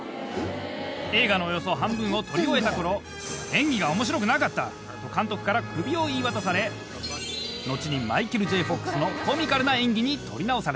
映画のおよそ半分を撮り終えた頃。と監督からクビを言い渡され後にマイケル・Ｊ・フォックスのコミカルな演技に撮り直された。